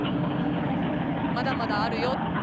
まだまだあるよって。